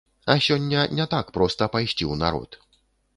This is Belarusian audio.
А сёння не так проста пайсці ў народ.